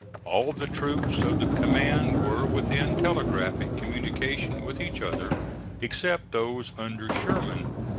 All the troops of the command were within telegraphic communication of each other, except those under Sherman.